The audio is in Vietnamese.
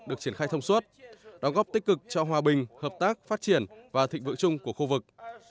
được triển khai thông suốt đóng góp tích cực cho hòa bình hợp tác phát triển và thịnh vượng chung của khu vực